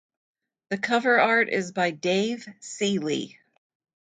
The cover art is by Dave Seeley.